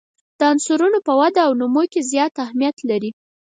دا عنصرونه په وده او نمو کې زیات اهمیت لري.